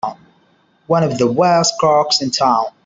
One of the worst crooks in town!